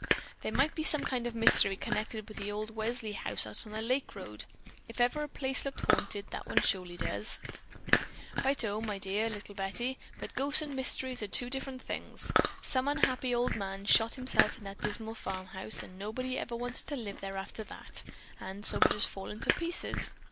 "There might be some kind of a mystery connected with that old Welsley house out on the lake road. If ever a place looked haunted, that one surely does." "Righto, my dear little Betty, but ghosts and mysteries are two different things. Some unhappy old man shot himself in that dismal farmhouse and nobody ever wanted to live there after that; and so it has just fallen to pieces.